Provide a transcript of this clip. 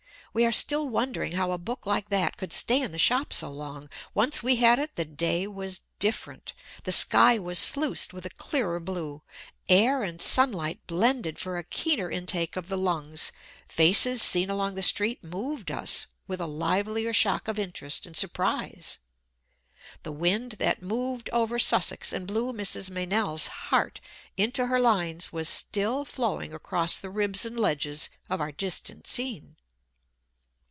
We are still wondering how a book like that could stay in the shop so long. Once we had it, the day was different. The sky was sluiced with a clearer blue, air and sunlight blended for a keener intake of the lungs, faces seen along the street moved us with a livelier shock of interest and surprise. The wind that moved over Sussex and blew Mrs. Meynell's heart into her lines was still flowing across the ribs and ledges of our distant scene.